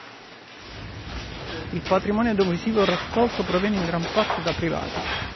Il patrimonio audiovisivo raccolto proviene in gran parte da privati.